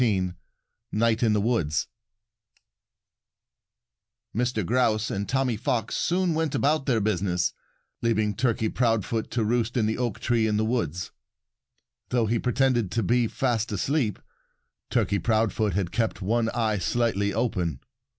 XIX NIGHT IN THE WOODS Mr. Grouse and Tommy Fox soon went about their business, leaving Turkey Proudfoot to roost in the oak tree in the woods. Though he pretended to be fast asleep, Turkey Proudfoot had kept one eye slightly open.